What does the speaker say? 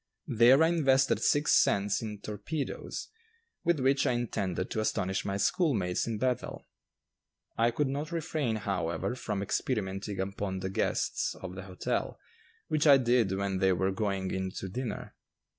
There I invested six cents in "torpedoes," with which I intended to astonish my schoolmates in Bethel. I could not refrain, however, from experimenting upon the guests of the hotel, which I did when they were going in to dinner.